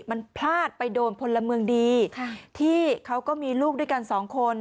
มันพลาดไปโดนพลเมืองดีที่เขาก็มีลูกด้วยกันสองคน